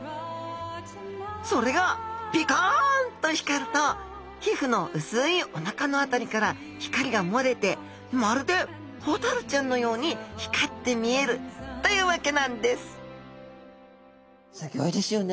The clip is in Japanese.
それがピカンと光ると皮膚の薄いおなかの辺りから光が漏れてまるでホタルちゃんのように光って見えるというわけなんですすギョいですよね。